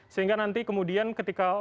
sehingga nanti kemudian ketika